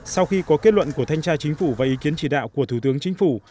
sau khi có kết luận của thanh tra chính phủ và ý kiến chỉ đạo của thủ tướng chính phủ